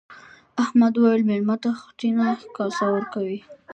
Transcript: احمد وويل: مېلمه ته خټینه کاسه ورکوي.